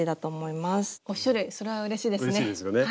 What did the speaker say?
５種類それはうれしいですね。